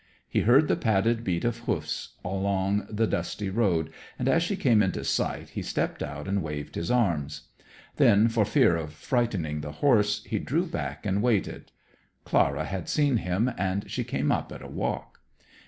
He heard the padded beat of hoofs along the dusty road, and as she came into sight he stepped out and waved his arms. Then, for fear of frightening the horse, he drew back and waited. Clara had seen him, and she came up at a walk.